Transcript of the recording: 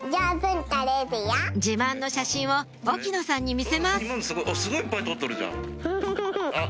自慢の写真を沖野さんに見せますフフフフ。